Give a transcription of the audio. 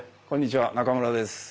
こんにちは中村です。